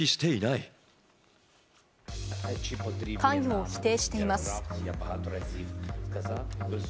関与を否定しています。